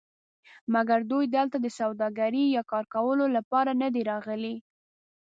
مګر دوی دلته د سوداګرۍ یا کار کولو لپاره ندي راغلي.